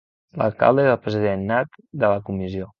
L'alcalde és el president nat de la comissió.